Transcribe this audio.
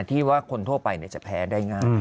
ที่ว่าคนทั่วไปจะแพ้ได้ง่าย